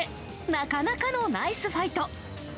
なかなかのナイスファイト。